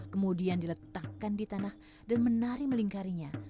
kemudian diletakkan di tanah dan menari melingkarinya